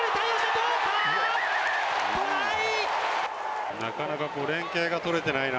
トライ。